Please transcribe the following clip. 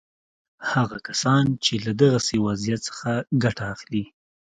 هغه کسان چې له دغسې وضعیت څخه ګټه اخلي.